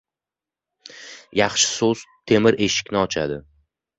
• Yaxshi so‘z temir eshikni ochadi.